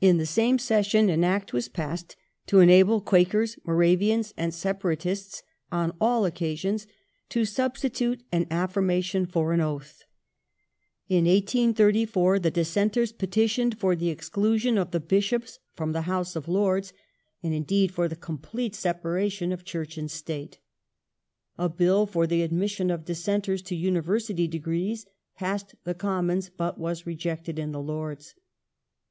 In the same session an Act was passed to enable Quakers, Moravians, and Separatists on all occasions to substitute an affirmation for an oath. In 1834 the Dissenters petitioned for the exclusion of the Bishops from the House of Lords, and indeed for the complete separation of Church and State. A Bill for the admission of Dissenters to University Degrees passed the Commons but was rejected in the Lords.